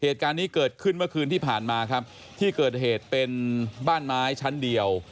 เหตุการณ์นี้เกิดขึ้นเมื่อคืนที่ผ่านมาครับที่เกิดเหตุเป็นบ้านไม้ชั้นเดียว